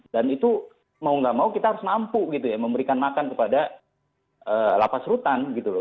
dan itu mau gak mau kita harus mampu gitu ya memberikan makan kepada lapas rutan gitu loh